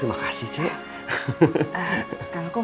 terima kasih cek